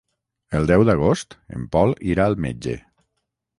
El deu d'agost en Pol irà al metge.